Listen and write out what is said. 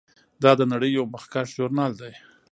دا د نړۍ یو مخکښ ژورنال دی.